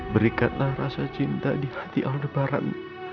berikanlah rasa cinta di hati aldebaran